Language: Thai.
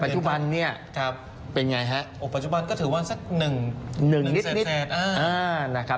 จิบเลยนะ